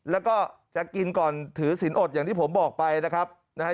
แล้วก็จะกินก่อนถือสินอดอย่างที่ผมบอกไปนะครับนะฮะ